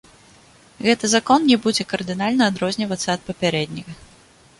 Гэты закон не будзе кардынальна адрознівацца ад папярэдняга.